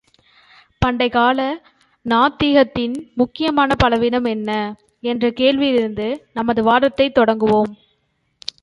பண்டைக் கால நாத்திகத்தின் முக்கியமான பலவீனம் என்ன? என்ற கேள்வியிலிருந்து நமது வாதத்தைத் தொடங்குவோம்.